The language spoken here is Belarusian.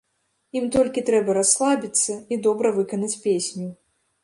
Ім толькі трэба расслабіцца і добра выканаць песню.